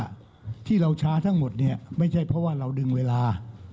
ที่เราช้าทั้งหมดเนี่ยไม่ใช่เพราะว่าเราดึงเวลา